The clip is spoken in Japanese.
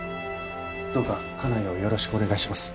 どうか家内をよろしくお願いします。